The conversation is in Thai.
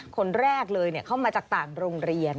คนแรกเลยเข้ามาจากต่างโรงเรียน